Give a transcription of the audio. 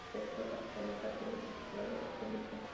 El sector capitalista puede ser privado o público.